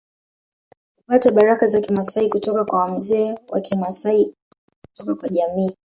Hupata baraka za Kimasai kutoka kwa wamzee wa Kimasai kutoka kwa jamii